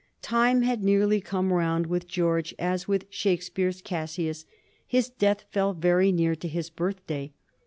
Time had nearly come round with George as with Shakespeare's Cassius ; his death fell very near to his birthday.